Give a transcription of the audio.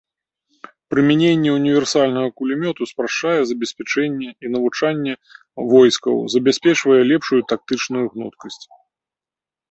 Прымяненне універсальнага кулямёта спрашчае забеспячэнне і навучанне войскаў, забяспечвае лепшую тактычную гнуткасць.